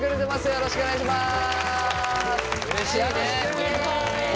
よろしくお願いします。